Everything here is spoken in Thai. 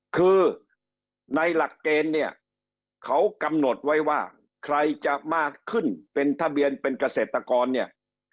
คือในหลักเกณฑ์เนี่ยเขากำหนดไว้ว่าใครจะมากขึ้นเป็นทะเบียนเป็นเกษตรกรเนี่ย